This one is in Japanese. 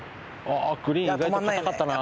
グリーン意外と硬かったな。